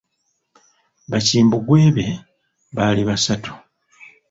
Bakimbugwe be baali basatu.